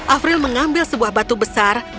afril mengambil sebuah batu besar